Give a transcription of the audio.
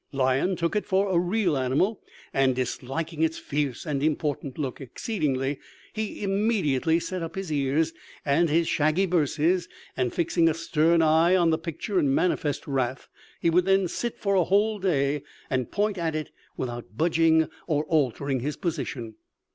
Lion took it for a real animal, and, disliking its fierce and important look exceedingly, he immediately set up his ears and his shaggy birses, and, fixing a stern eye on the picture in manifest wrath, he would then sit for a whole day and point at it without budging or altering his position.